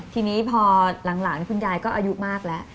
ทีนี้พอหลังคุณยายก็อายุมากแล้ว